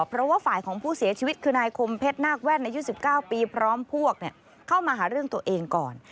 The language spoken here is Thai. เพราะว่าฝ่ายของผู้เสียชีวิตคือนายคมเพชรนาคแว่นอายุ๑๙ปีพร้อมพวกเข้ามาหาเรื่องตัวเองก่อน